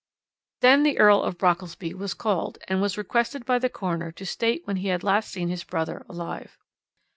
"Then the Earl of Brockelsby was called, and was requested by the coroner to state when he had last seen his brother alive.